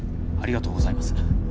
ありがとうございます。